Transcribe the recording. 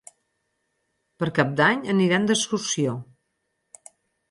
Per Cap d'Any aniran d'excursió.